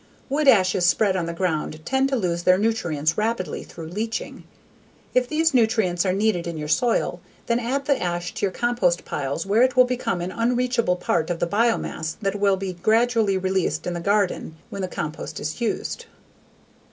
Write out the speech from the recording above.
Wood ashes spread on the ground tend to lose their nutrients rapidly through leaching. If these nutrients are needed in your soil, then add the ash to your compost piles where it will become an unreachable part of the biomass that will be gradually released in the garden when the compost is used.